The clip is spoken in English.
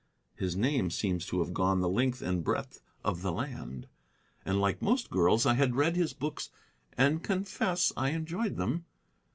His name seems to have gone the length and breadth of the land. And, like most girls, I had read his books and confess I enjoyed them.